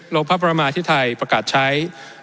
๑โลกพระประหมาที่ไทยประกาศใช้